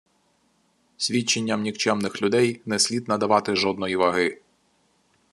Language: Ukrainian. Свідченням нікчемних людей не слід надавати жодної ваги.